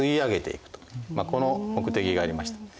この目的がありました。